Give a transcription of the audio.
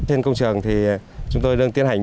trên công trường thì chúng tôi đang tiến hành